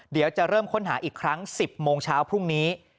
เดี๋ยวจะเริ่มค้นหาอีกครั้ง๑๐โมงเช้าพรุ่งนี้